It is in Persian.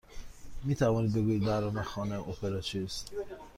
می توانید بگویید برنامه خانه اپرا چیست؟